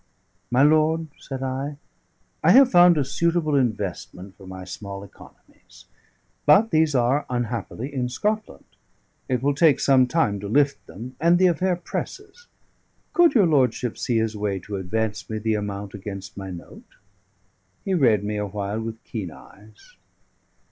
"My lord," said I, "I have found a suitable investment for my small economies. But these are unhappily in Scotland; it will take some time to lift them, and the affair presses. Could your lordship see his way to advance me the amount against my note?" He read me a while with keen eyes.